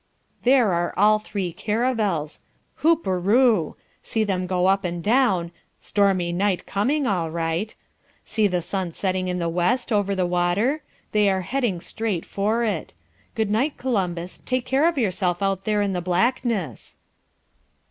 There are all three caravels Hoop er oo! See them go up and down stormy night coming all right. See the sun setting in the west, over the water? They're heading straight for it. Good night Columbus take care of yourself out there in the blackness.